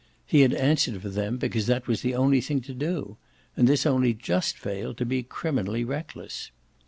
He had answered for them because that was the only thing to do, and this only just failed to be criminally reckless.